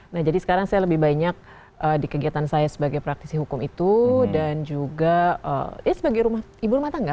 nah jadi sekarang saya lebih banyak di kegiatan saya sebagai praktisi hukum itu dan juga ya sebagai ibu rumah tangga